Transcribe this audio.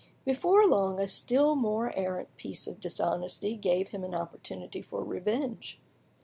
Before long a still mare arrant piece of dishonesty gave him an opportunity for revenge.